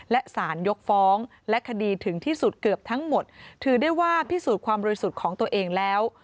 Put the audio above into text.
และสารยกฟ้องและคดีถึงที่สุดเกือบทั้งหมดถือได้ว่าพิสูจน์ความบริสุทธิ์ของตัวเองแล้ว